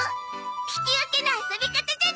引き分けの遊び方じゃない。